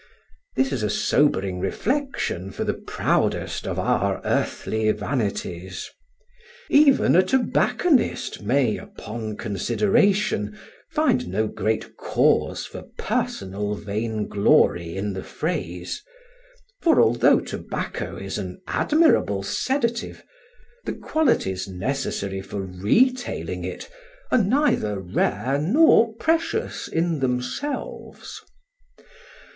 This is a sobering reflection for the proudest of our earthly vanities. Even a tobacconist may, upon consideration, find no great cause for personal vainglory in the phrase; for although tobacco is an admirable sedative, the qualities necessary for retailing it are neither rare nor precious in themselves.